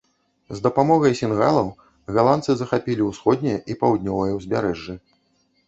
З дапамогай сінгалаў галандцы захапілі ўсходняе і паўднёвае ўзбярэжжы.